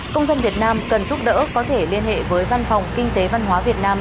công dân việt nam cần giúp đỡ có thể liên hệ với văn phòng kinh tế văn hóa việt nam